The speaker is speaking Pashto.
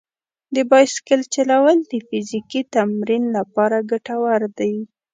د بایسکل چلول د فزیکي تمرین لپاره ګټور دي.